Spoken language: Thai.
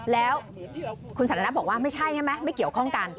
แล้วคุณสันทนาบอกว่าไม่ใช่ใช่ไหมไม่เกี่ยวข้องกัน